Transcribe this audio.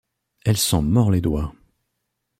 Elle s’en mord les doigts.